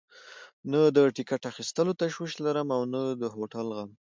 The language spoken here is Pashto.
نه د ټکټ اخیستلو تشویش لرم او نه د هوټل غم.